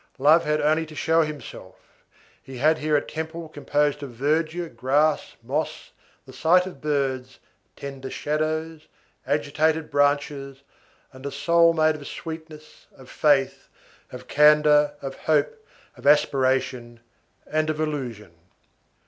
Love had only to show himself; he had here a temple composed of verdure, grass, moss, the sight of birds, tender shadows, agitated branches, and a soul made of sweetness, of faith, of candor, of hope, of aspiration, and of illusion.